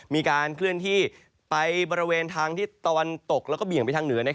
มีการเคลื่อนที่ไปบริเวณทางทิศตะวันตกแล้วก็เบี่ยงไปทางเหนือ